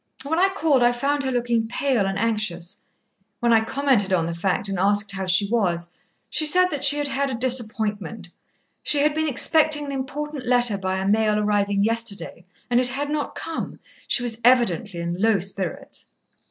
When I called I found her looking pale and anxious. When I commented on the fact and asked how she was, she said that she had had a disappointment. She had been expecting an important letter by a mail arriving yesterday, and it had not come. She was evidently in low spirits."